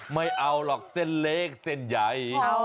ไม่เอาหรอกเส้นเล็กเส้นใหญ่